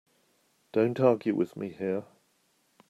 Don't argue with me here.